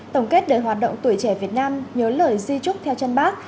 tổng kết đời hoạt động tuổi trẻ việt nam nhớ lời di trúc theo chân bác